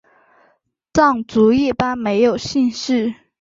藏族一般没有姓氏。